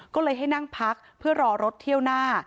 ก็เลยให้นั่งพักเพื่อรอรถเที่ยวหน้า